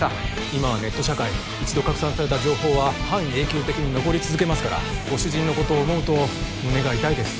・今はネット社会一度拡散された情報は半永久的に残り続けますからご主人のことを思うと胸が痛いです